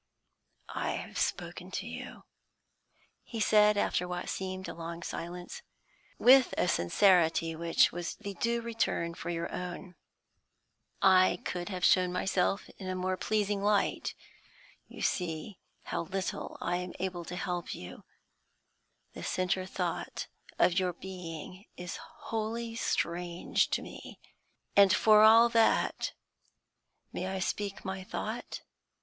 "I have spoken to you," he said, after what seemed a long silence, "with a sincerity which was the due return for your own. I could have shown myself in a more pleasing light. You see how little able I am to help you; the centre thought of your being is wholly strange to me. And for all that may I speak my thought?